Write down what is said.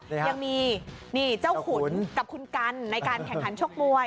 ยังมีนี่เจ้าขุนกับคุณกันในการแข่งขันชกมวย